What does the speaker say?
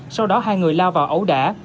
sau đó hai người lao vào ẩu đả